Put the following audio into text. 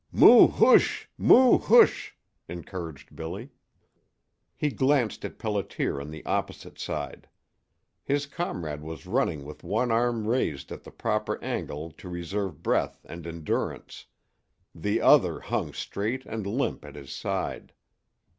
"Moo hoosh moo hoosh!" encouraged Billy. He glanced at Pelliter on the opposite side. His comrade was running with one arm raised at the proper angle to reserve breath and endurance; the other hung straight and limp at his side.